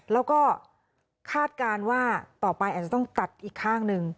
แล้วก็คาดการณ์ว่าต่อไปอาจจะต้องตัดอีกข้างหนึ่ง